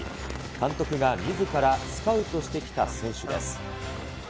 監督がみずからスカウトしてきた選手です。